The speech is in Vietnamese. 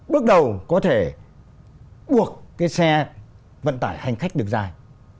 bước đầu có thể buộc cái xe vận tải hành khách được dài